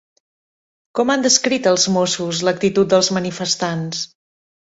Com han descrit els Mossos l'actitud dels manifestants?